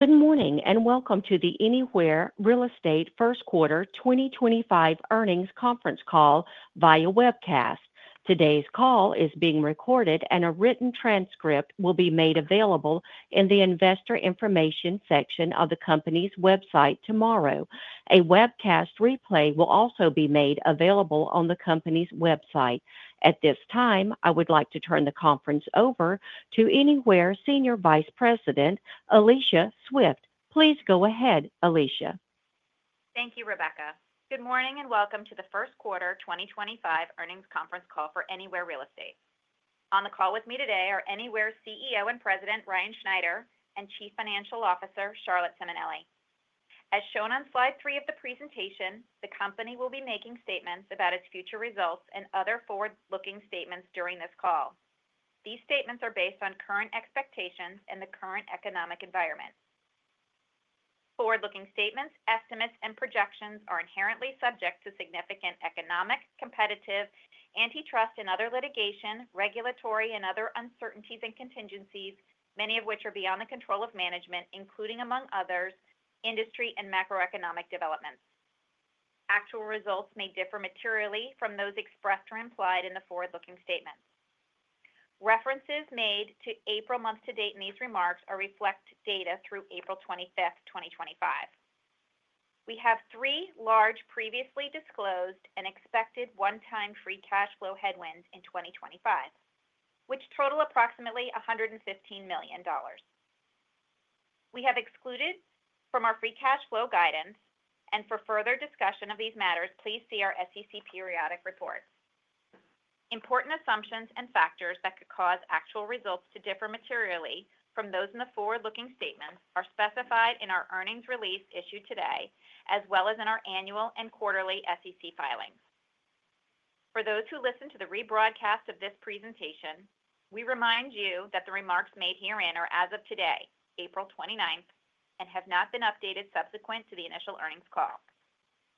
Good morning and welcome to the Anywhere Real Estate first quarter 2025 earnings conference call via webcast. Today's call is being recorded, and a written transcript will be made available in the investor information section of the company's website tomorrow. A webcast replay will also be made available on the company's website. At this time, I would like to turn the conference over to Anywhere Senior Vice President, Alicia Swift. Please go ahead, Alicia. Thank you, Rebecca. Good morning and welcome to the first quarter 2025 earnings conference call for Anywhere Real Estate. On the call with me today are Anywhere CEO and President, Ryan Schneider, and Chief Financial Officer, Charlotte Simonelli. As shown on slide three of the presentation, the company will be making statements about its future results and other forward-looking statements during this call. These statements are based on current expectations and the current economic environment. Forward-looking statements, estimates, and projections are inherently subject to significant economic, competitive, antitrust, and other litigation, regulatory, and other uncertainties and contingencies, many of which are beyond the control of management, including, among others, industry and macroeconomic developments. Actual results may differ materially from those expressed or implied in the forward-looking statements. References made to April month-to-date in these remarks reflect data through April 25th, 2025. We have three large previously disclosed and expected one-time free cash flow headwinds in 2025, which total approximately $115 million. We have excluded from our free cash flow guidance, and for further discussion of these matters, please see our SEC periodic report. Important assumptions and factors that could cause actual results to differ materially from those in the forward-looking statements are specified in our earnings release issued today, as well as in our annual and quarterly SEC filings. For those who listen to the rebroadcast of this presentation, we remind you that the remarks made herein are as of today, April 29th, and have not been updated subsequent to the initial earnings call.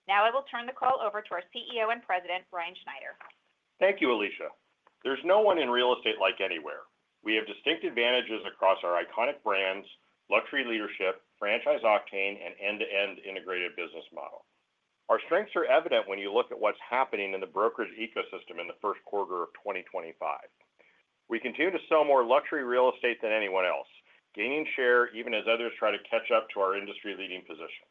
Now I will turn the call over to our CEO and President, Ryan Schneider. Thank you, Alicia. There's no one in real estate like Anywhere. We have distinct advantages across our iconic brands, luxury leadership, franchise octane, and end-to-end integrated business model. Our strengths are evident when you look at what's happening in the brokerage ecosystem in the first quarter of 2025. We continue to sell more luxury real estate than anyone else, gaining share even as others try to catch up to our industry-leading position.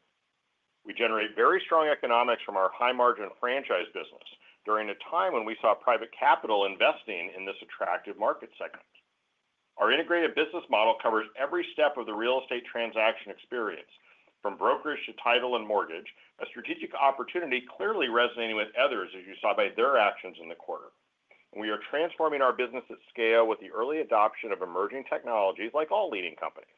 We generate very strong economics from our high-margin franchise business during a time when we saw private capital investing in this attractive market segment. Our integrated business model covers every step of the real estate transaction experience, from brokerage to title and mortgage, a strategic opportunity clearly resonating with others as you saw by their actions in the quarter. We are transforming our business at scale with the early adoption of emerging technologies like all leading companies.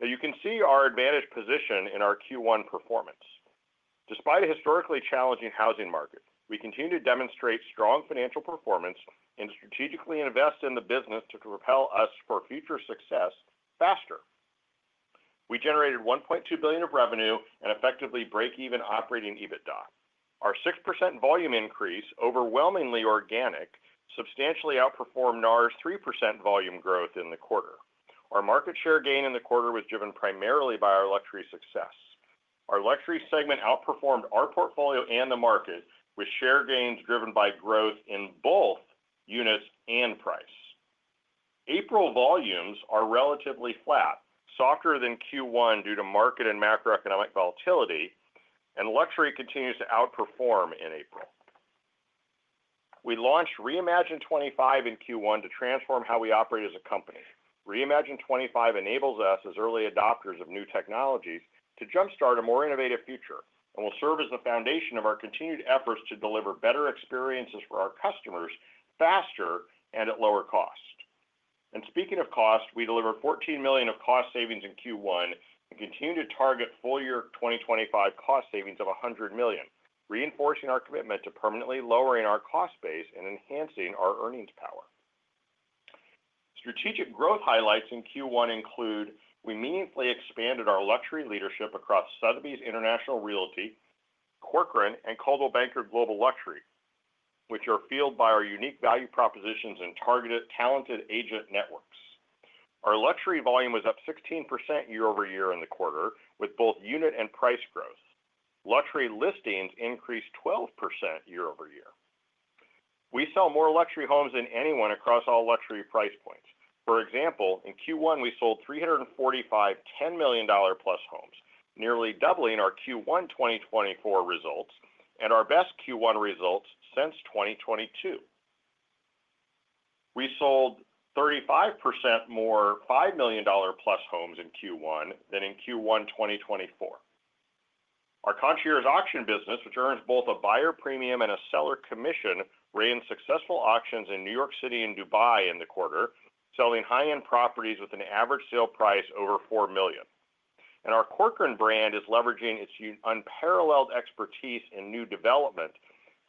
Now, you can see our advantage position in our Q1 performance. Despite a historically challenging housing market, we continue to demonstrate strong financial performance and strategically invest in the business to propel us for future success faster. We generated $1.2 billion of revenue and effectively break-even operating EBITDA. Our 6% volume increase, overwhelmingly organic, substantially outperformed NAR's 3% volume growth in the quarter. Our market share gain in the quarter was driven primarily by our luxury success. Our luxury segment outperformed our portfolio and the market, with share gains driven by growth in both units and price. April volumes are relatively flat, softer than Q1 due to market and macroeconomic volatility, and luxury continues to outperform in April. We launched Reimagine '25 in Q1 to transform how we operate as a company. Reimagine '25 enables us, as early adopters of new technologies, to jump-start a more innovative future and will serve as the foundation of our continued efforts to deliver better experiences for our customers faster and at lower cost. Speaking of cost, we delivered $14 million of cost savings in Q1 and continue to target full-year 2025 cost savings of $100 million, reinforcing our commitment to permanently lowering our cost base and enhancing our earnings power. Strategic growth highlights in Q1 include we meaningfully expanded our luxury leadership across Sotheby's International Realty, Corcoran, and Coldwell Banker Global Luxury, which are fueled by our Unique Value Propositions and Targeted Talented Agent Networks. Our luxury volume was up 16% year-over-year in the quarter, with both unit and price growth. Luxury listings increased 12% year-over-year. We sell more luxury homes than anyone across all luxury price points. For example, in Q1, we sold 345%, $10 million+ homes, nearly doubling our Q1 2024 results and our best Q1 results since 2022. We sold 35% more $5 million+ homes in Q1 than in Q1 2024. Our Concierge Auction business, which earns both a buyer premium and a seller commission, ran successful auctions in New York City and Dubai in the quarter, selling high-end properties with an average sale price over $4 million. Our Corcoran brand is leveraging its unparalleled expertise in new development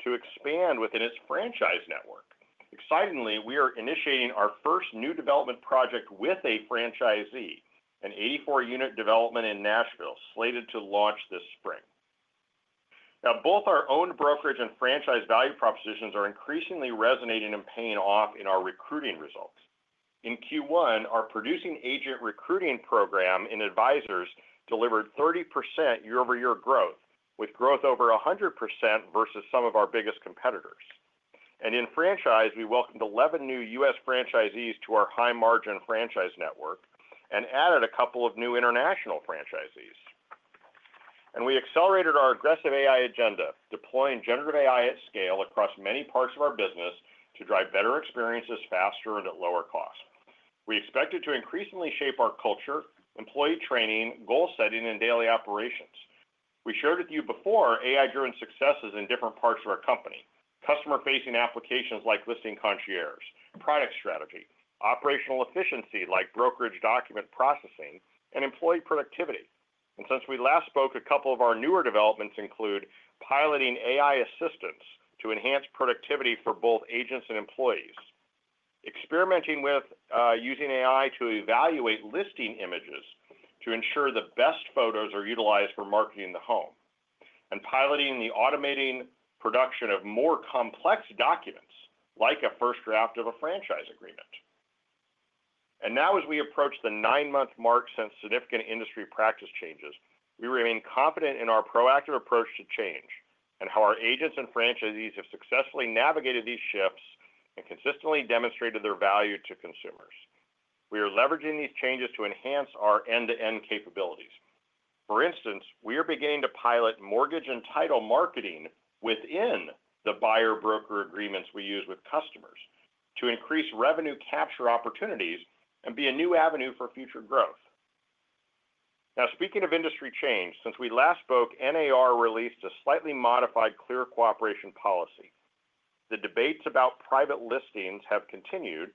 to expand within its franchise network. Excitingly, we are initiating our first new development project with a franchisee, an 84-unit development in Nashville slated to launch this spring. Now, both our own brokerage and franchise value propositions are increasingly resonating and paying off in our recruiting results. In Q1, our producing agent recruiting program and advisors delivered 30% year-over-year growth, with growth over 100% versus some of our biggest competitors. In franchise, we welcomed 11 new U.S. franchisees to our high-margin franchise network and added a couple of new international franchisees. We accelerated our aggressive AI agenda, deploying generative AI at scale across many parts of our business to drive better experiences faster and at lower cost. We expect it to increasingly shape our culture, employee training, goal setting, and daily operations. We shared with you before AI-driven successes in different parts of our company: customer-facing applications like Listing Concierge, product strategy, operational efficiency like brokerage document processing, and employee productivity. Since we last spoke, a couple of our newer developments include piloting AI assistance to enhance productivity for both agents and employees, experimenting with using AI to evaluate listing images to ensure the best photos are utilized for marketing the home, and piloting the automating production of more complex documents like a first draft of a franchise agreement. Now, as we approach the nine-month mark since significant industry practice changes, we remain confident in our proactive approach to change and how our agents and franchisees have successfully navigated these shifts and consistently demonstrated their value to consumers. We are leveraging these changes to enhance our end-to-end capabilities. For instance, we are beginning to pilot mortgage and title marketing within the buyer broker agreements we use with customers to increase revenue capture opportunities and be a new avenue for future growth. Now, speaking of industry change, since we last spoke, NAR released a slightly modified Clear Cooperation Policy. The debates about Private Listings have continued,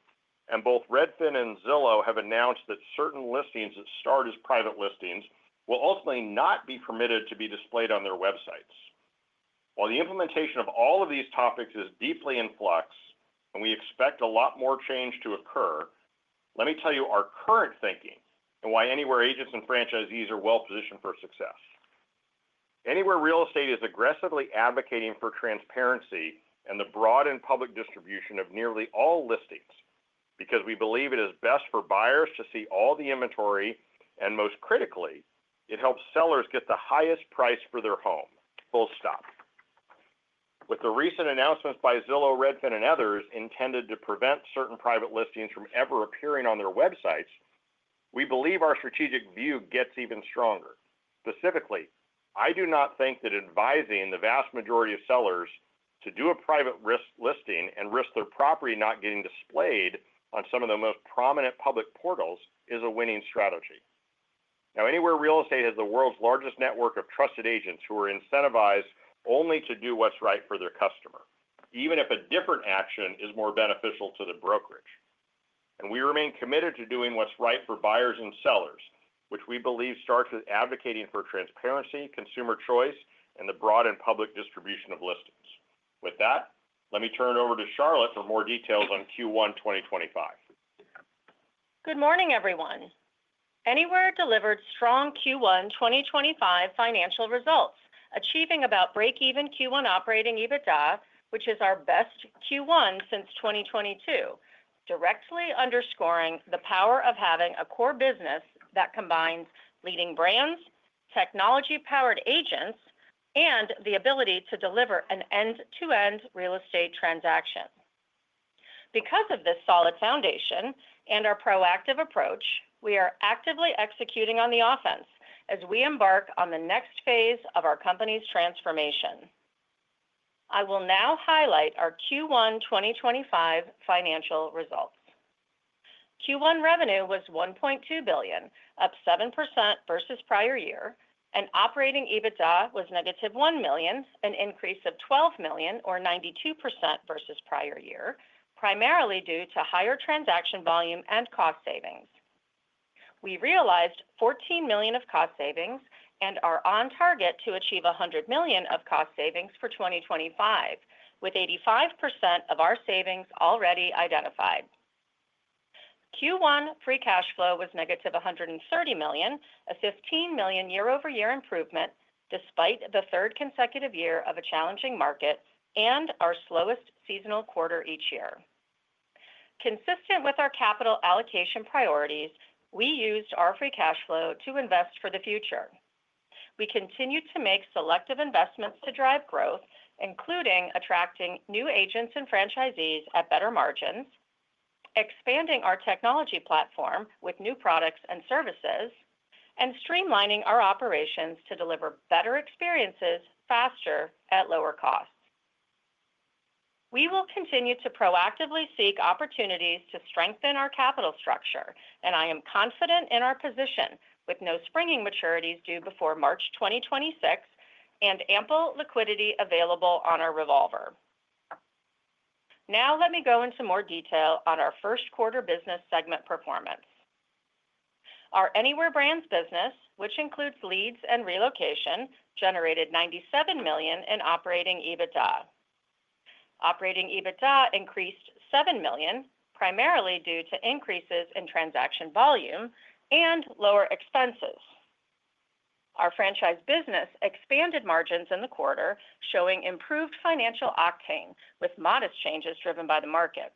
and both Redfin and Zillow have announced that certain listings that start as Private Listings will ultimately not be permitted to be displayed on their websites. While the implementation of all of these topics is deeply in flux, and we expect a lot more change to occur, let me tell you our current thinking and why Anywhere agents and franchisees are well-positioned for success. Anywhere Real Estate is aggressively advocating for transparency and the broad and public distribution of nearly all listings because we believe it is best for buyers to see all the inventory, and most critically, it helps sellers get the highest price for their home. Full stop. With the recent announcements by Zillow, Redfin, and others intended to prevent certain private listings from ever appearing on their websites, we believe our strategic view gets even stronger. Specifically, I do not think that advising the vast majority of sellers to do a private risk listing and risk their property not getting displayed on some of the most prominent public portals is a winning strategy. Now, Anywhere Real Estate has the world's largest network of trusted agents who are incentivized only to do what's right for their customer, even if a different action is more beneficial to the brokerage. We remain committed to doing what's right for buyers and sellers, which we believe starts with advocating for transparency, consumer choice, and the broad and public distribution of listings. With that, let me turn it over to Charlotte for more details on Q1 2025. Good morning, everyone. Anywhere delivered strong Q1 2025 financial results, achieving about break-even Q1 Operating EBITDA, which is our best Q1 since 2022, directly underscoring the power of having a core business that combines leading brands, technology-powered agents, and the ability to deliver an end-to-end real estate transaction. Because of this solid foundation and our proactive approach, we are actively executing on the offense as we embark on the next phase of our company's transformation. I will now highlight our Q1 2025 financial results. Q1 revenue was $1.2 billion, up 7% versus prior year, and Operating EBITDA was -$1 million, an increase of $12 million, or 92% versus prior year, primarily due to higher transaction volume and cost savings. We realized $14 million of cost savings and are on target to achieve $100 million of cost savings for 2025, with 85% of our savings already identified. Q1 free cash flow was -$130 million, a $15 million year-over-year improvement despite the third consecutive year of a challenging market and our slowest seasonal quarter each year. Consistent with our capital allocation priorities, we used our free cash flow to invest for the future. We continue to make selective investments to drive growth, including attracting new agents and franchisees at better margins, expanding our technology platform with new products and services, and streamlining our operations to deliver better experiences faster at lower costs. We will continue to proactively seek opportunities to strengthen our capital structure, and I am confident in our position with no springing maturities due before March 2026 and ample liquidity available on our revolver. Now, let me go into more detail on our first quarter business segment performance. Our Anywhere Brands business, which includes leads and relocation, generated $97 million in Operating EBITDA. Operating EBITDA increased $7 million, primarily due to increases in transaction volume and lower expenses. Our franchise business expanded margins in the quarter, showing improved financial octane with modest changes driven by the market.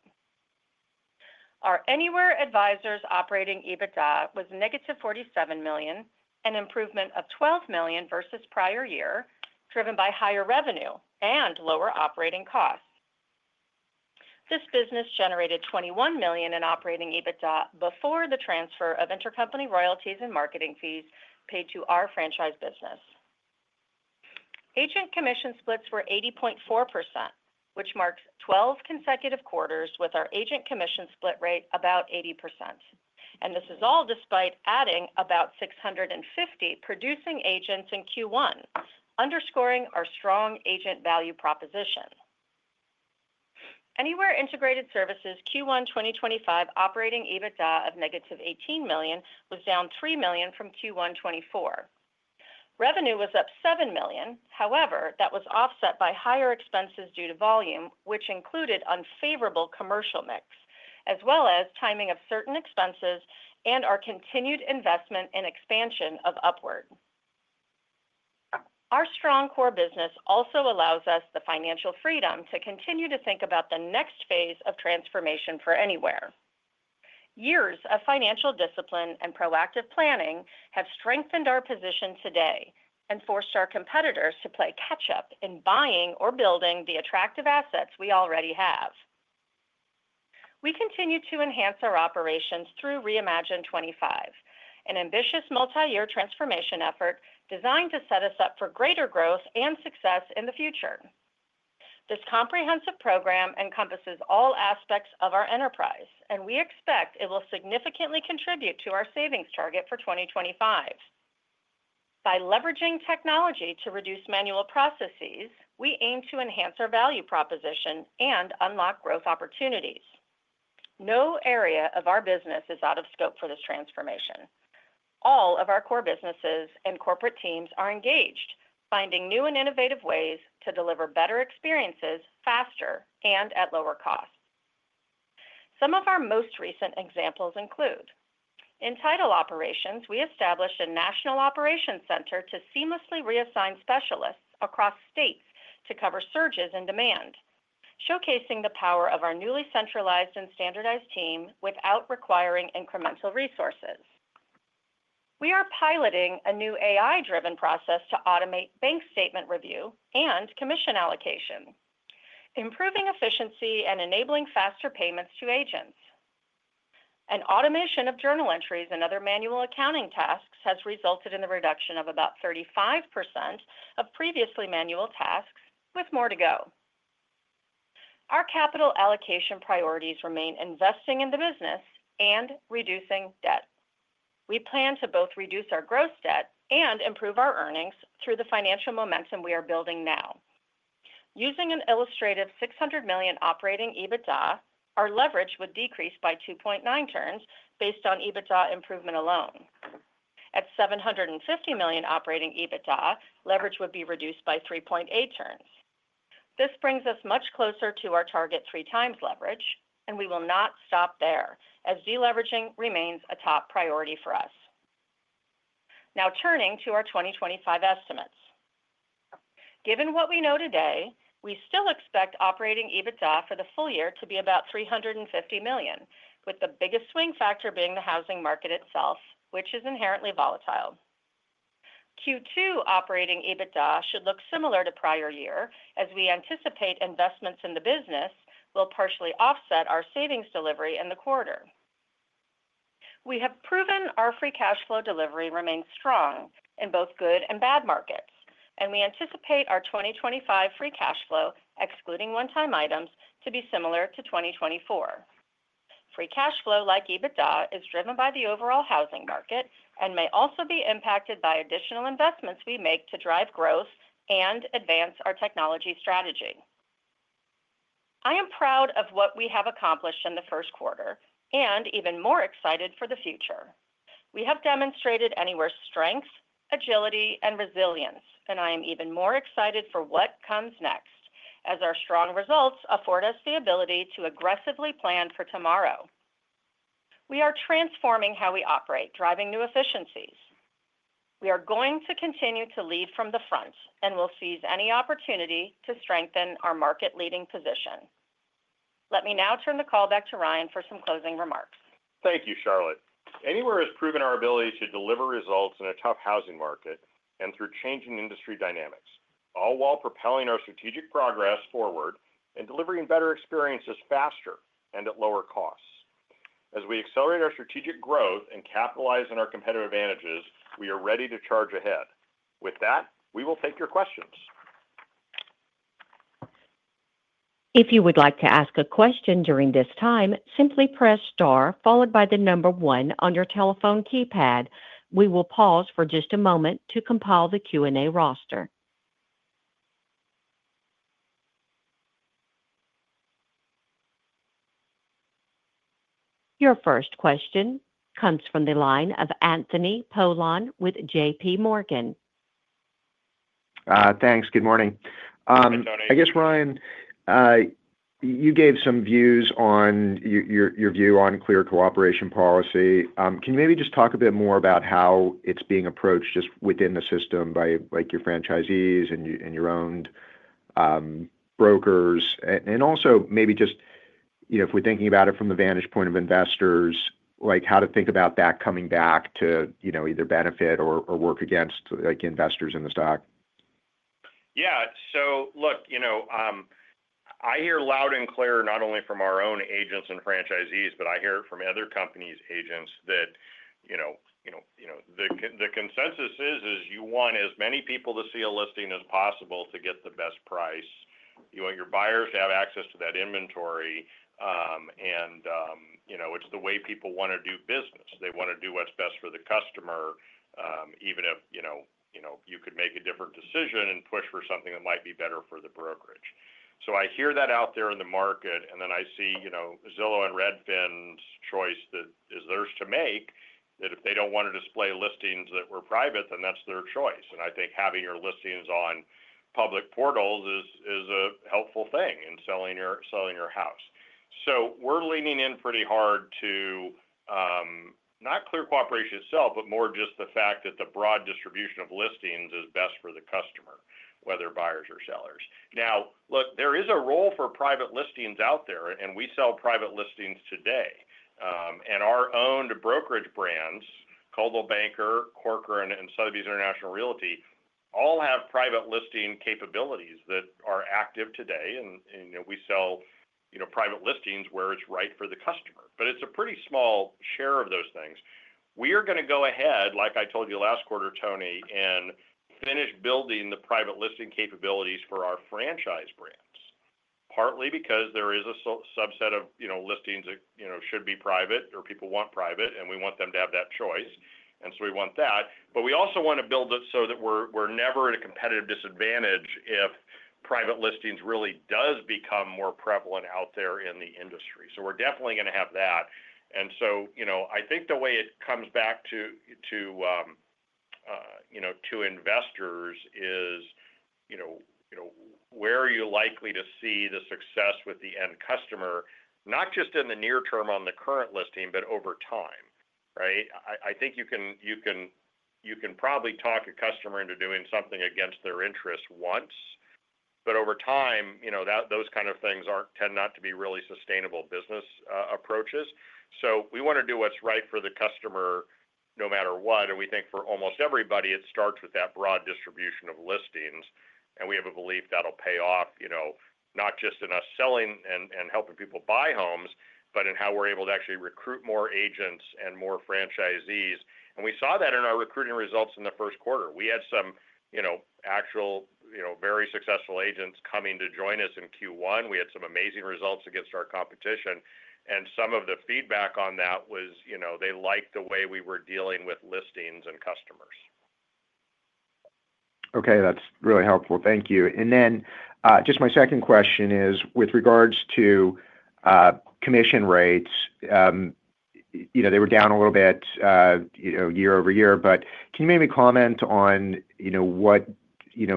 Our Anywhere Advisors Operating EBITDA was -$47 million, an improvement of $12 million versus prior year, driven by higher revenue and lower operating costs. This business generated $21 million in Operating EBITDA before the transfer of intercompany royalties and marketing fees paid to our franchise business. Agent commission splits were 80.4%, which marks 12 consecutive quarters with our agent commission split rate about 80%. This is all despite adding about 650 producing agents in Q1, underscoring our strong agent value proposition. Anywhere Integrated Services Q1 2025 Operating EBITDA of -$18 million was down $3 million from Q1 2024. Revenue was up $7 million. However, that was offset by higher expenses due to volume, which included unfavorable commercial mix, as well as timing of certain expenses and our continued investment and expansion of Upward. Our strong core business also allows us the financial freedom to continue to think about the next phase of transformation for Anywhere. Years of financial discipline and proactive planning have strengthened our position today and forced our competitors to play catch-up in buying or building the attractive assets we already have. We continue to enhance our operations through Reimagine '25, an ambitious multi-year transformation effort designed to set us up for greater growth and success in the future. This comprehensive program encompasses all aspects of our enterprise, and we expect it will significantly contribute to our savings target for 2025. By leveraging technology to reduce manual processes, we aim to enhance our value proposition and unlock growth opportunities. No area of our business is out of scope for this transformation. All of our core businesses and corporate teams are engaged, finding new and innovative ways to deliver better experiences faster and at lower cost. Some of our most recent examples include: in title operations, we established a national operations center to seamlessly reassign specialists across states to cover surges in demand, showcasing the power of our newly centralized and standardized team without requiring incremental resources. We are piloting a new AI-driven process to automate bank statement review and commission allocation, improving efficiency and enabling faster payments to agents. Automation of journal entries and other manual accounting tasks has resulted in the reduction of about 35% of previously manual tasks, with more to go. Our capital allocation priorities remain investing in the business and reducing debt. We plan to both reduce our gross debt and improve our earnings through the financial momentum we are building now. Using an illustrative $600 million Operating EBITDA, our leverage would decrease by 2.9x based on EBITDA improvement alone. At $750 million operating EBITDA, leverage would be reduced by 3.8x. This brings us much closer to our target 3x leverage, and we will not stop there as deleveraging remains a top priority for us. Now, turning to our 2025 estimates. Given what we know today, we still expect Operating EBITDA for the full year to be about $350 million, with the biggest swing factor being the housing market itself, which is inherently volatile. Q2 Operating EBITDA should look similar to prior year, as we anticipate investments in the business will partially offset our savings delivery in the quarter. We have proven our free cash flow delivery remains strong in both good and bad markets, and we anticipate our 2025 free cash flow, excluding one-time items, to be similar to 2024. Free cash flow like EBITDA is driven by the overall housing market and may also be impacted by additional investments we make to drive growth and advance our technology strategy. I am proud of what we have accomplished in the first quarter and even more excited for the future. We have demonstrated Anywhere's strengths, agility, and resilience, and I am even more excited for what comes next as our strong results afford us the ability to aggressively plan for tomorrow. We are transforming how we operate, driving new efficiencies. We are going to continue to lead from the front and will seize any opportunity to strengthen our market-leading position. Let me now turn the call back to Ryan for some closing remarks. Thank you, Charlotte. Anywhere has proven our ability to deliver results in a tough housing market and through changing industry dynamics, all while propelling our strategic progress forward and delivering better experiences faster and at lower costs. As we accelerate our strategic growth and capitalize on our competitive advantages, we are ready to charge ahead. With that, we will take your questions. If you would like to ask a question during this time, simply press star followed by the number one on your telephone keypad. We will pause for just a moment to compile the Q&A roster. Your first question comes from the line of Anthony Paolone with JPMorgan. Thanks. Good morning. I guess, Ryan, you gave some views on your view on Clear Cooperation Policy. Can you maybe just talk a bit more about how it's being approached just within the system by your franchisees and your own brokers? Also maybe just if we're thinking about it from the vantage point of investors, how to think about that coming back to either benefit or work against investors in the stock? Yeah. Look, I hear loud and clear not only from our own agents and franchisees, but I hear it from other companies' agents that the consensus is you want as many people to see a listing as possible to get the best price. You want your buyers to have access to that inventory, and it's the way people want to do business. They want to do what's best for the customer, even if you could make a different decision and push for something that might be better for the brokerage. I hear that out there in the market, and then I see Zillow and Redfin's choice that is theirs to make that if they don't want to display listings that were private, then that's their choice. I think having your listings on public portals is a helpful thing in selling your house. We're leaning in pretty hard to not Clear Cooperation itself, but more just the fact that the broad distribution of listings is best for the customer, whether buyers or sellers. Now, look, there is a role for private listings out there, and we sell private listings today. Our own brokerage brands, Coldwell Banker, Corcoran, and Sotheby's International Realty, all have private listing capabilities that are active today. We sell private listings where it's right for the customer. It's a pretty small share of those things. We are going to go ahead, like I told you last quarter, Tony, and finish building the private listing capabilities for our franchise brands, partly because there is a subset of listings that should be private or people want private, and we want them to have that choice. We want that. We also want to build it so that we're never at a competitive disadvantage if private listings really does become more prevalent out there in the industry. We're definitely going to have that. I think the way it comes back to investors is where are you likely to see the success with the end customer, not just in the near term on the current listing, but over time, right? I think you can probably talk a customer into doing something against their interest once, but over time, those kinds of things tend not to be really sustainable business approaches. We want to do what's right for the customer no matter what. We think for almost everybody, it starts with that broad distribution of listings. We have a belief that'll pay off not just in us selling and helping people buy homes, but in how we're able to actually recruit more agents and more franchisees. We saw that in our recruiting results in the first quarter. We had some actual very successful agents coming to join us in Q1. We had some amazing results against our competition. Some of the feedback on that was they liked the way we were dealing with listings and customers. Okay. That's really helpful. Thank you. Just my second question is with regards to commission rates. They were down a little bit year-over-year, but can you maybe comment on what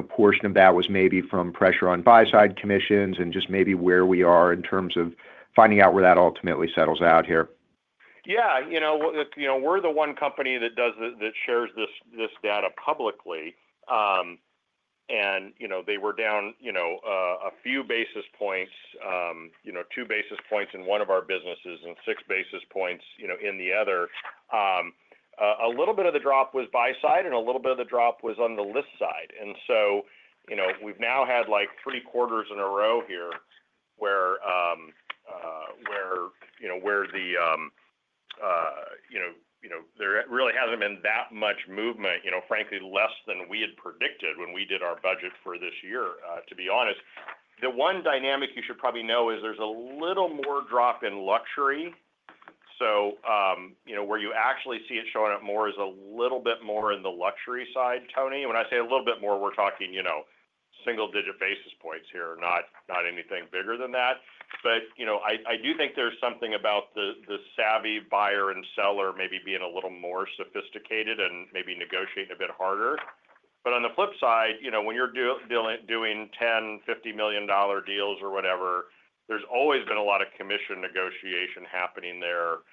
portion of that was maybe from pressure on buy-side commissions and just maybe where we are in terms of finding out where that ultimately settles out here? Yeah. We're the one company that shares this data publicly. They were down a few basis points, 2 basis points in one of our businesses and 6 basis points in the other. A little bit of the drop was buy-side, and a little bit of the drop was on the list side. We've now had like three quarters in a row here where there really hasn't been that much movement, frankly, less than we had predicted when we did our budget for this year, to be honest. The one dynamic you should probably know is there's a little more drop in luxury. Where you actually see it showing up more is a little bit more in the luxury side, Tony. When I say a little bit more, we're talking single-digit basis points here, not anything bigger than that. I do think there's something about the savvy buyer and seller maybe being a little more sophisticated and maybe negotiating a bit harder. On the flip side, when you're doing $10 million, $50 million deals or whatever, there's always been a lot of commission negotiation happening there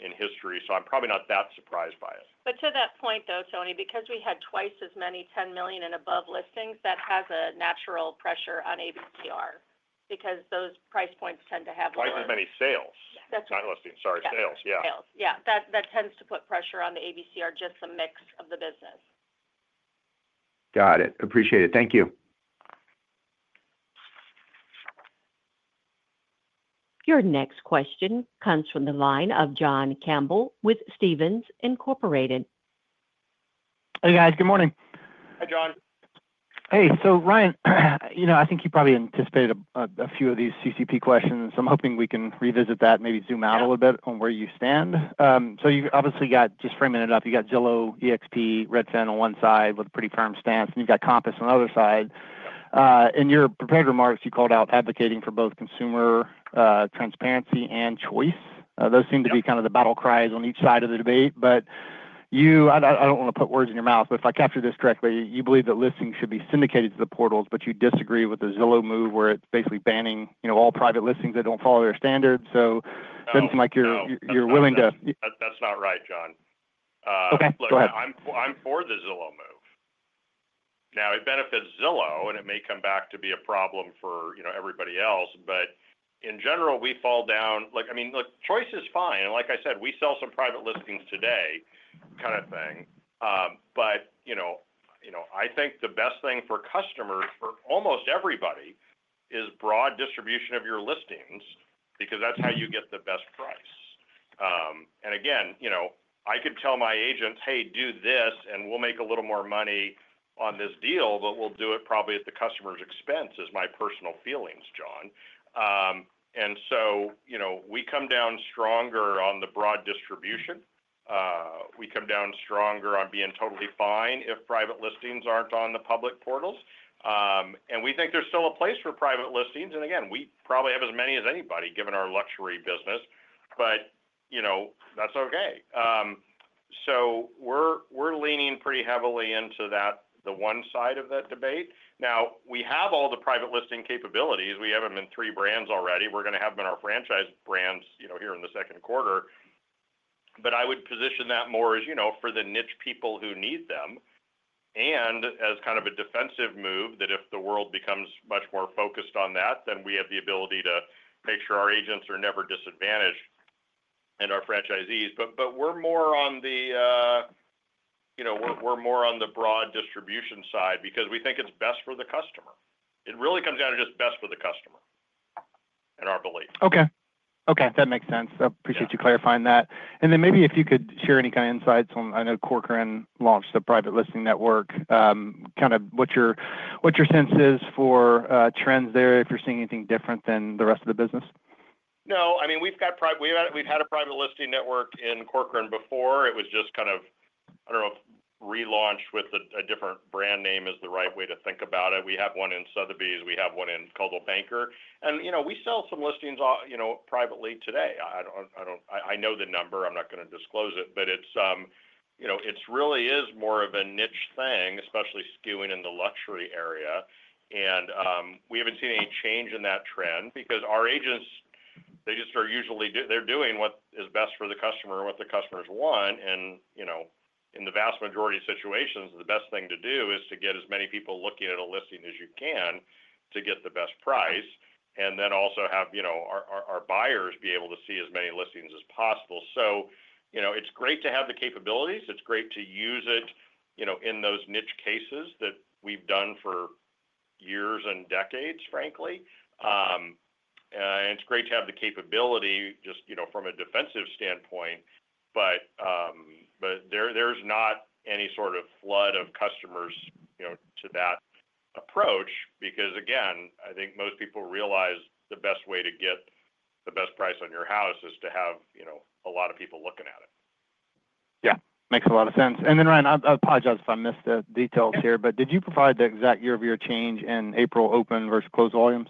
in history. I'm probably not that surprised by it. To that point, though, Tony, because we had twice as many $10 million and above listings, that has a natural pressure on ABCR because those price points tend to have lower. Twice as many sales. That's right. Not listings, sorry. Sales, yeah. Sales. Yeah. That tends to put pressure on the ABCR, just the mix of the business. Got it. Appreciate it. Thank you. Your next question comes from the line of John Campbell with Stephens Inc. Hey, guys. Good morning. Hi, John. Hey. Ryan, I think you probably anticipated a few of these CCP questions. I'm hoping we can revisit that and maybe zoom out a little bit on where you stand. You obviously got, just framing it up, you got Zillow, eXp, Redfin on one side with a pretty firm stance, and you got Compass on the other side. In your prepared remarks, you called out advocating for both consumer transparency and choice. Those seem to be kind of the battle cries on each side of the debate. I don't want to put words in your mouth, but if I capture this correctly, you believe that listings should be syndicated to the portals, but you disagree with the Zillow move where it's basically banning all private listings that don't follow their standards. It doesn't seem like you're willing to. That's not right, John. Okay. Go ahead. Look, I'm for the Zillow move. Now, it benefits Zillow, and it may come back to be a problem for everybody else. In general, we fall down. I mean, look, choice is fine. Like I said, we sell some private listings today kind of thing. I think the best thing for customers, for almost everybody, is broad distribution of your listings because that's how you get the best price. Again, I could tell my agents, "Hey, do this, and we'll make a little more money on this deal, but we'll do it probably at the customer's expense," is my personal feelings, John. We come down stronger on the broad distribution. We come down stronger on being totally fine if private listings aren't on the public portals. We think there's still a place for private listings. We probably have as many as anybody given our luxury business, but that's okay. We're leaning pretty heavily into the one side of that debate. We have all the private listing capabilities. We have them in three brands already. We're going to have them in our franchise brands here in the second quarter. I would position that more as for the niche people who need them and as kind of a defensive move that if the world becomes much more focused on that, then we have the ability to make sure our agents are never disadvantaged and our franchisees. We're more on the broad distribution side because we think it's best for the customer. It really comes down to just best for the customer in our belief. Okay. Okay. That makes sense. Appreciate you clarifying that. Maybe if you could share any kind of insights on, I know Corcoran launched the Private Listing Network. Kind of what your sense is for trends there, if you're seeing anything different than the rest of the business? No. I mean, we've had a Private Listing Network in Corcoran before. It was just kind of, I don't know, relaunched with a different brand name is the right way to think about it. We have one in Sotheby's. We have one in Coldwell Banker. And we sell some listings privately today. I know the number. I'm not going to disclose it, but it really is more of a niche thing, especially skewing in the luxury area. We haven't seen any change in that trend because our agents, they just are usually they're doing what is best for the customer, what the customers want. In the vast majority of situations, the best thing to do is to get as many people looking at a listing as you can to get the best price and then also have our buyers be able to see as many listings as possible. It's great to have the capabilities. It's great to use it in those niche cases that we've done for years and decades, frankly. It's great to have the capability just from a defensive standpoint, but there's not any sort of flood of customers to that approach because, again, I think most people realize the best way to get the best price on your house is to have a lot of people looking at it. Yeah. Makes a lot of sense. Ryan, I apologize if I missed the details here, but did you provide the exact year-over-year change in April open versus closed volumes?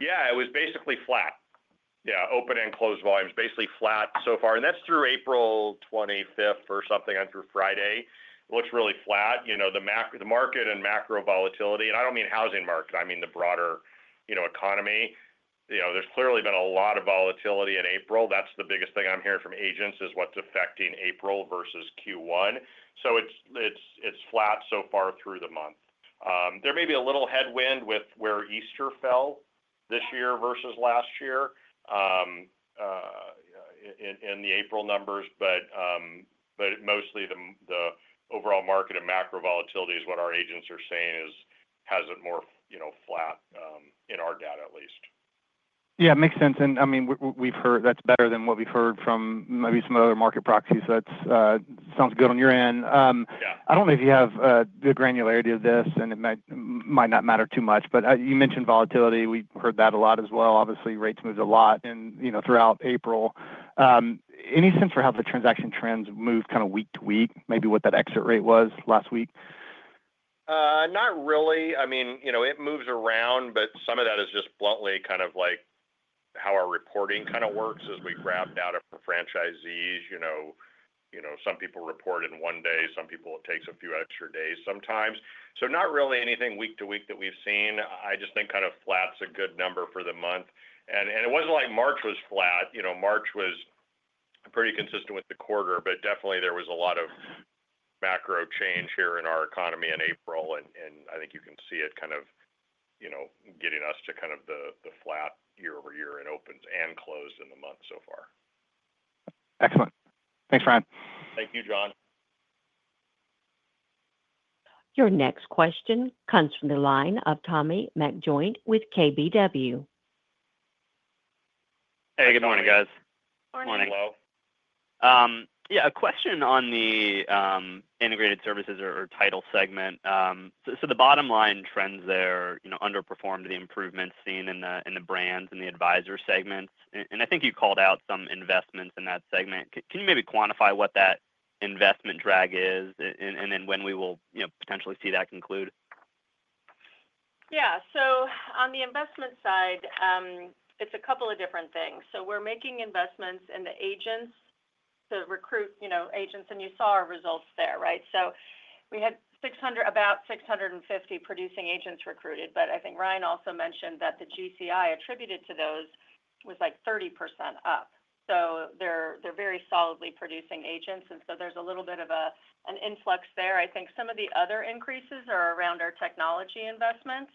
Yeah. It was basically flat. Yeah. Open and closed volumes, basically flat so far. And that's through April 25 or something on through Friday. It looks really flat. The market and macro volatility—I don't mean housing market. I mean the broader economy. There's clearly been a lot of volatility in April. That's the biggest thing I'm hearing from agents is what's affecting April versus Q1. It is flat so far through the month. There may be a little headwind with where Easter fell this year versus last year in the April numbers, but mostly the overall market and macro volatility is what our agents are saying has it more flat in our data at least. Yeah. Makes sense. I mean, that's better than what we've heard from maybe some of the other market proxies. That sounds good on your end. I don't know if you have the granularity of this, and it might not matter too much, but you mentioned volatility. We've heard that a lot as well. Obviously, rates moved a lot throughout April. Any sense for how the transaction trends move kind of week to week, maybe what that exit rate was last week? Not really. I mean, it moves around, but some of that is just bluntly kind of like how our reporting kind of works as we grab data from franchisees. Some people report in one day. Some people, it takes a few extra days sometimes. Not really anything week to week that we've seen. I just think kind of flat's a good number for the month. It wasn't like March was flat. March was pretty consistent with the quarter, but definitely there was a lot of macro change here in our economy in April. I think you can see it kind of getting us to kind of the flat year-over-year and opens and closed in the month so far. Excellent. Thanks, Ryan. Thank you, John. Your next question comes from the line of Tommy McJoynt with KBW. Hey. Good morning, guys. Morning. Yeah. A question on the integrated services or title segment. The bottom line trends there underperformed the improvements seen in the brands and the advisor segments. I think you called out some investments in that segment. Can you maybe quantify what that investment drag is and then when we will potentially see that conclude? Yeah. On the investment side, it's a couple of different things. We're making investments in the agents to recruit agents. You saw our results there, right? We had about 650 producing agents recruited, but I think Ryan also mentioned that the GCI attributed to those was like 30% up. They're very solidly producing agents, so there's a little bit of an influx there. I think some of the other increases are around our technology investments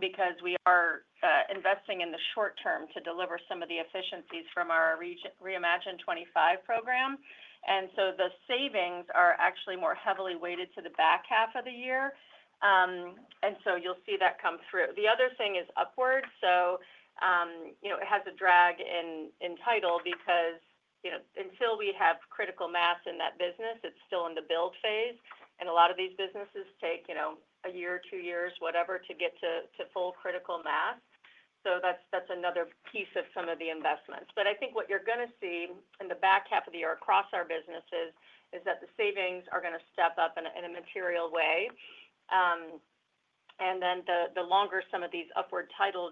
because we are investing in the short-term to deliver some of the efficiencies from our Reimagine '25 program. The savings are actually more heavily weighted to the back half of the year, so you'll see that come through. The other thing is Upward. It has a drag in title because until we have critical mass in that business, it's still in the build phase. A lot of these businesses take a year, two years, whatever to get to full critical mass. That is another piece of some of the investments. I think what you're going to see in the back half of the year across our businesses is that the savings are going to step up in a material way. The longer some of these Upward title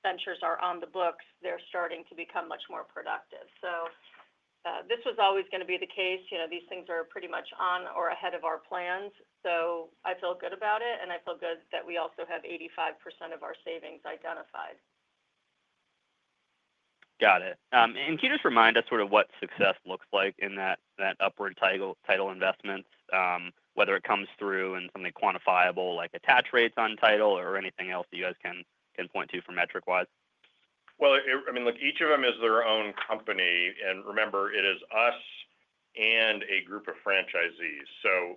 ventures are on the books, they're starting to become much more productive. This was always going to be the case. These things are pretty much on or ahead of our plans. I feel good about it. I feel good that we also have 85% of our savings identified. Got it. Can you just remind us sort of what success looks like in that Upward title investments, whether it comes through in something quantifiable like attach rates on title or anything else that you guys can point to for metric-wise? I mean, look, each of them is their own company. And remember, it is us and a group of franchisees. So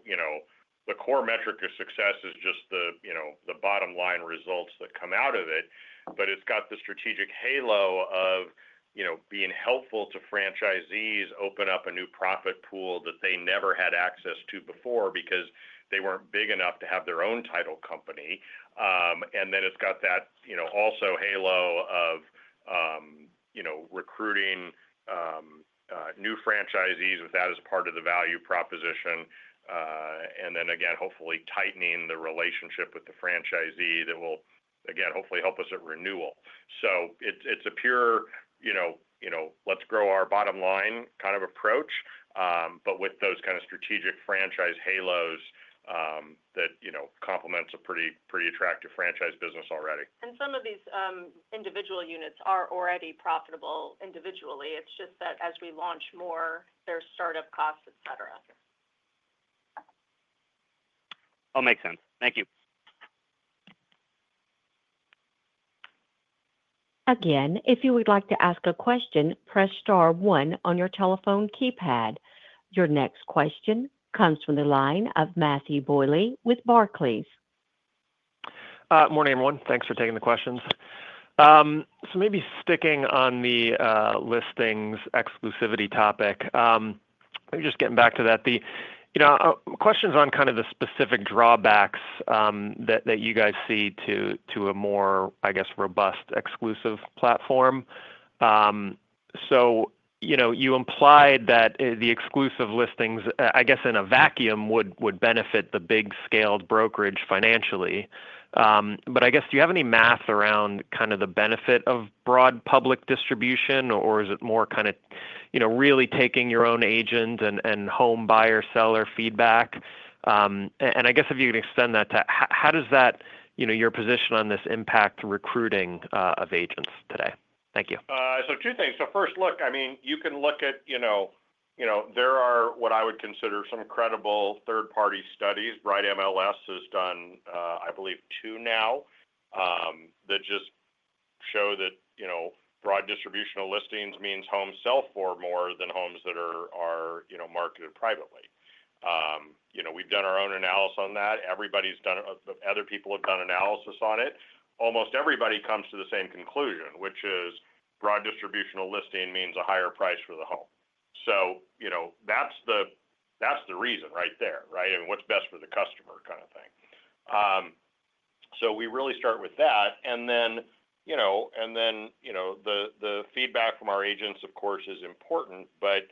the core metric of success is just the bottom line results that come out of it. But it's got the strategic halo of being helpful to franchisees, open up a new profit pool that they never had access to before because they weren't big enough to have their own title company. And then it's got that also halo of recruiting new franchisees with that as part of the value proposition. And then, again, hopefully tightening the relationship with the franchisee that will, again, hopefully help us at renewal. So it's a pure, let's grow our bottom line kind of approach, but with those kind of strategic franchise halos that complements a pretty attractive franchise business already. Some of these individual units are already profitable individually. It's just that as we launch more, there's startup costs, etc. All makes sense. Thank you. Again, if you would like to ask a question, press star one on your telephone keypad. Your next question comes from the line of Matthew Bouley with Barclays. Morning, everyone. Thanks for taking the questions. Maybe sticking on the listings exclusivity topic, just getting back to that, the questions on kind of the specific drawbacks that you guys see to a more, I guess, robust exclusive platform. You implied that the exclusive listings, I guess, in a vacuum would benefit the big-scaled brokerage financially. I guess, do you have any math around kind of the benefit of broad public distribution, or is it more kind of really taking your own agent and home buyer-seller feedback? I guess, if you can extend that to how does that, your position on this, impact recruiting of agents today? Thank you. Two things. First, look, I mean, you can look at there are what I would consider some credible third-party studies. Bright MLS has done, I believe, two now that just show that broad distributional listings means homes sell for more than homes that are marketed privately. We've done our own analysis on that. Other people have done analysis on it. Almost everybody comes to the same conclusion, which is broad distributional listing means a higher price for the home. That's the reason right there, right? What's best for the customer kind of thing. We really start with that. The feedback from our agents, of course, is important. Like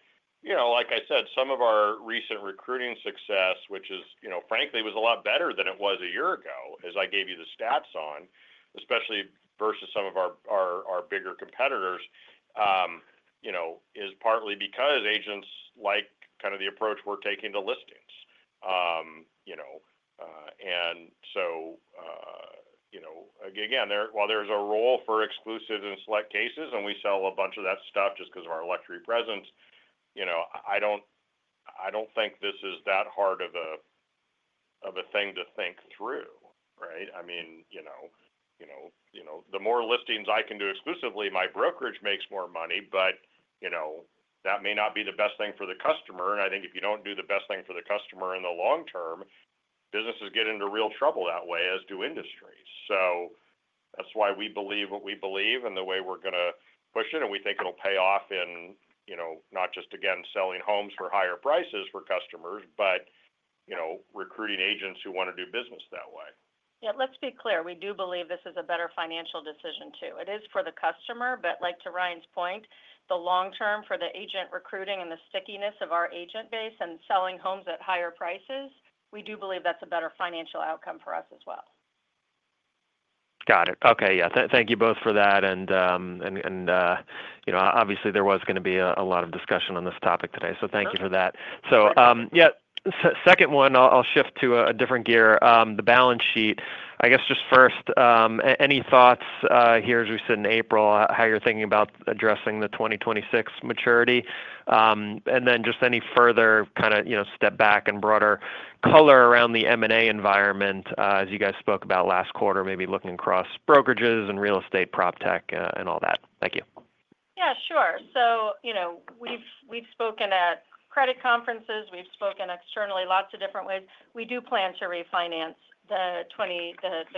I said, some of our recent recruiting success, which is, frankly, was a lot better than it was a year ago, as I gave you the stats on, especially versus some of our bigger competitors, is partly because agents like kind of the approach we're taking to listings. Again, while there's a role for exclusive and select cases, and we sell a bunch of that stuff just because of our luxury presence, I don't think this is that hard of a thing to think through, right? I mean, the more listings I can do exclusively, my brokerage makes more money, but that may not be the best thing for the customer. I think if you don't do the best thing for the customer in the long-term, businesses get into real trouble that way, as do industries. That's why we believe what we believe and the way we're going to push it. We think it'll pay off in not just, again, selling homes for higher prices for customers, but recruiting agents who want to do business that way. Yeah. Let's be clear. We do believe this is a better financial decision too. It is for the customer, but like to Ryan's point, the long term for the agent recruiting and the stickiness of our agent base and selling homes at higher prices, we do believe that's a better financial outcome for us as well. Got it. Okay. Yeah. Thank you both for that. Obviously, there was going to be a lot of discussion on this topic today. Thank you for that. Second one, I'll shift to a different gear, the balance sheet. I guess just first, any thoughts here, as we said in April, how you're thinking about addressing the 2026 maturity? Any further kind of step back and broader color around the M&A environment as you guys spoke about last quarter, maybe looking across brokerages and real estate, prop tech, and all that. Thank you. Yeah. Sure. We have spoken at credit conferences. We have spoken externally lots of different ways. We do plan to refinance the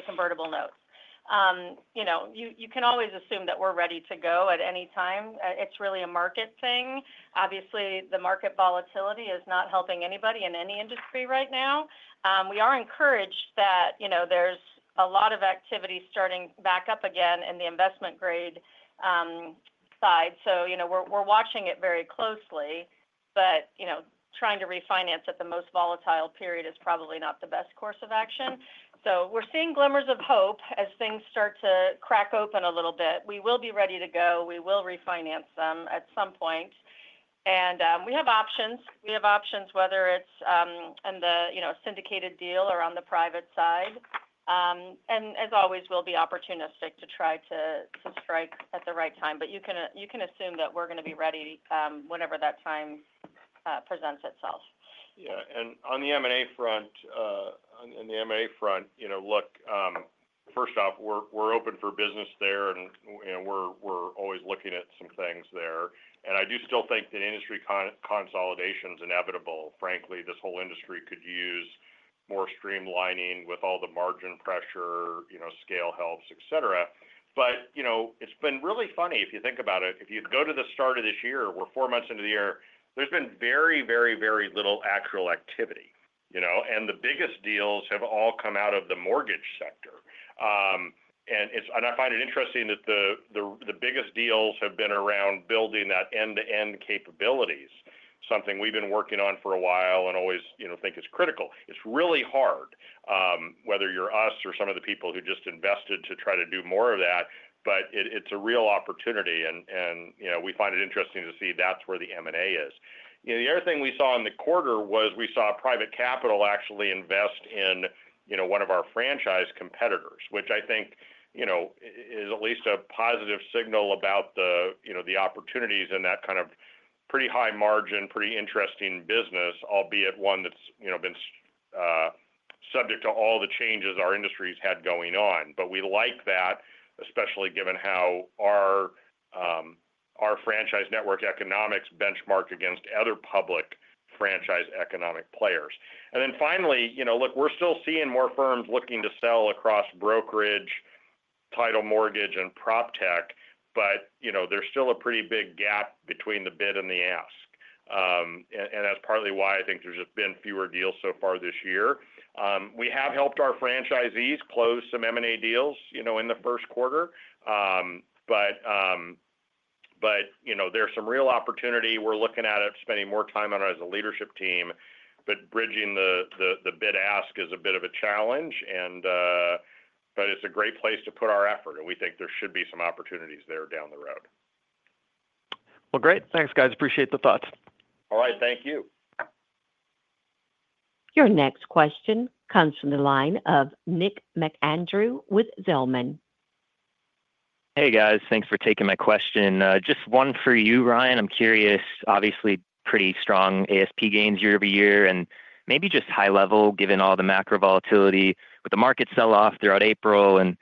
convertible notes. You can always assume that we are ready to go at any time. It is really a market thing. Obviously, the market volatility is not helping anybody in any industry right now. We are encouraged that there is a lot of activity starting back up again in the investment-grade side. We are watching it very closely, but trying to refinance at the most volatile period is probably not the best course of action. We are seeing glimmers of hope as things start to crack open a little bit. We will be ready to go. We will refinance them at some point. We have options. We have options, whether it is in the syndicated deal or on the private side. As always, we'll be opportunistic to try to strike at the right time. You can assume that we're going to be ready whenever that time presents itself. Yeah. On the M&A front, look, first off, we're open for business there, and we're always looking at some things there. I do still think that industry consolidation is inevitable. Frankly, this whole industry could use more streamlining with all the margin pressure, scale helps, etc. It's been really funny if you think about it. If you go to the start of this year, we're four months into the year. There's been very, very, very little actual activity. The biggest deals have all come out of the mortgage sector. I find it interesting that the biggest deals have been around building that end-to-end capabilities, something we've been working on for a while and always think is critical. It's really hard, whether you're us or some of the people who just invested to try to do more of that, but it's a real opportunity. We find it interesting to see that's where the M&A is. The other thing we saw in the quarter was we saw private capital actually invest in one of our franchise competitors, which I think is at least a positive signal about the opportunities in that kind of pretty high margin, pretty interesting business, albeit one that's been subject to all the changes our industry has had going on. We like that, especially given how our franchise network economics benchmark against other public franchise economic players. Finally, look, we're still seeing more firms looking to sell across brokerage, title mortgage, and prop tech, but there's still a pretty big gap between the bid and the ask. That is partly why I think there have just been fewer deals so far this year. We have helped our franchisees close some M&A deals in the first quarter, but there is some real opportunity. We are looking at spending more time on it as a leadership team, but bridging the bid-ask is a bit of a challenge. It is a great place to put our effort, and we think there should be some opportunities there down the road. Great. Thanks, guys. Appreciate the thoughts. All right. Thank you. Your next question comes from the line of Nick McAndrew with Zelman. Hey, guys. Thanks for taking my question. Just one for you, Ryan. I'm curious. Obviously, pretty strong ASP gains year-over-year. Maybe just high level, given all the macro volatility with the market sell-off throughout April and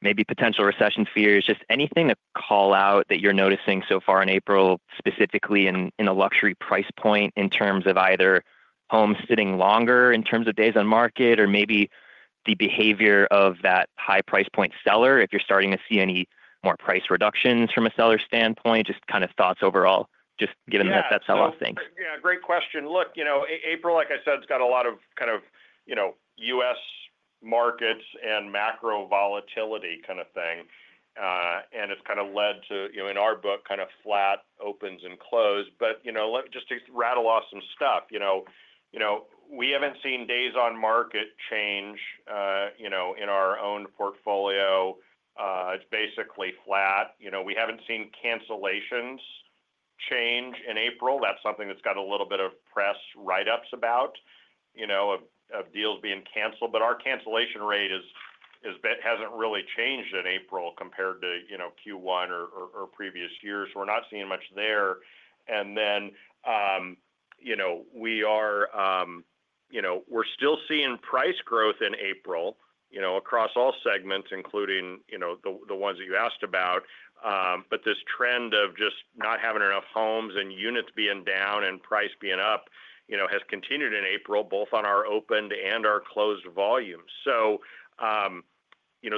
maybe potential recession fears, just anything to call out that you're noticing so far in April, specifically in a luxury price point in terms of either homes sitting longer in terms of days on market or maybe the behavior of that high price point seller, if you're starting to see any more price reductions from a seller standpoint, just kind of thoughts overall, just given that that's how I'll think. Yeah. Great question. Look, April, like I said, it's got a lot of kind of U.S. markets and macro volatility kind of thing. It's kind of led to, in our book, kind of flat opens and close. Just to rattle off some stuff, we haven't seen days on market change in our own portfolio. It's basically flat. We haven't seen cancellations change in April. That's something that's got a little bit of press write-ups about deals being canceled. Our cancellation rate hasn't really changed in April compared to Q1 or previous years. We're not seeing much there. We are still seeing price growth in April across all segments, including the ones that you asked about. This trend of just not having enough homes and units being down and price being up has continued in April, both on our opened and our closed volumes.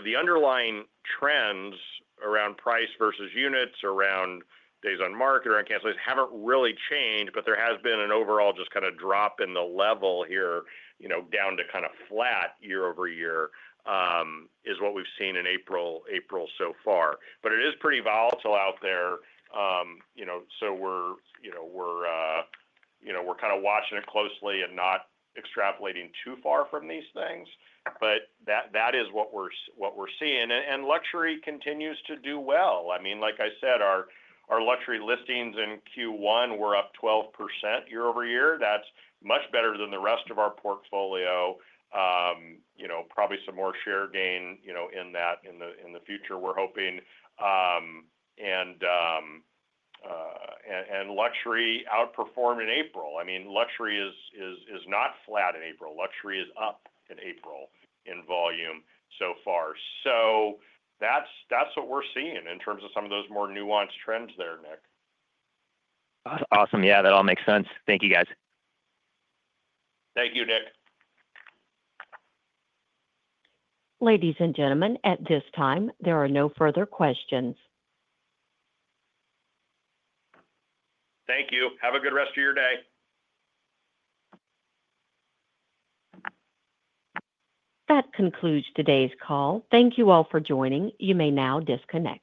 The underlying trends around price versus units, around days on market, around cancellations have not really changed, but there has been an overall just kind of drop in the level here down to kind of flat year-over-year is what we have seen in April so far. It is pretty volatile out there. We are kind of watching it closely and not extrapolating too far from these things. That is what we are seeing. Luxury continues to do well. I mean, like I said, our luxury listings in Q1 were up 12% year-over-year. That is much better than the rest of our portfolio. Probably some more share gain in that in the future, we are hoping. Luxury outperformed in April. I mean, luxury is not flat in April. Luxury is up in April in volume so far. That's what we're seeing in terms of some of those more nuanced trends there, Nick. Awesome. Yeah. That all makes sense. Thank you, guys. Thank you, Nick. Ladies and gentlemen, at this time, there are no further questions. Thank you. Have a good rest of your day. That concludes today's call. Thank you all for joining. You may now disconnect.